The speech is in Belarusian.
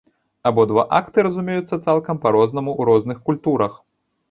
Абодва акты разумеюцца цалкам па-рознаму ў розных культурах.